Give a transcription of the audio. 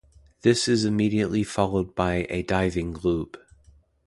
This is immediately followed by a diving loop.